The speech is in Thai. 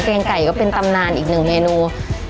ไก่ก็เป็นตำนานอีกหนึ่งเมนู